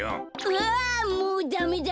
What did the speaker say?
あもうダメだ。